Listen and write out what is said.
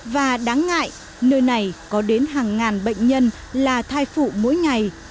và đáng ngại nơi này có đến hàng ngàn bệnh nhân là thai phụ mỗi ngày